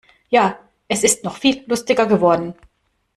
Ja, es ist noch viel lustiger geworden.